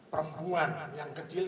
perempuan yang kecil